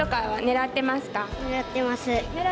狙ってます。